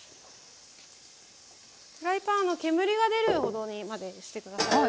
フライパンは煙が出るほどまで熱して下さい。